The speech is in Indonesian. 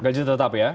gaji tetap ya